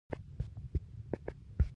د لیوکوپلاسیا د پوستې سپینېږي.